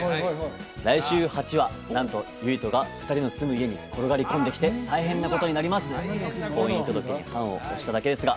来週８話なんと唯斗が２人の住む家に転がり込んできて大変なことになります「婚姻届に判を捺しただけですが」